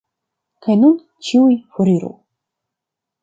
Kaj nun ĉiuj foriru.